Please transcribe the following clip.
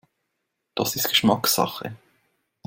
Das ist Geschmackssache.